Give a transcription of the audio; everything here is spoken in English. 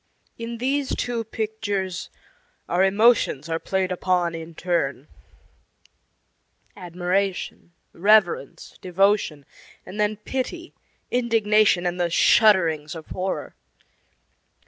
In these two pictures our emotions are played upon in turn admiration, reverence, devotion, and then pity, indignation, and the shudderings of horror.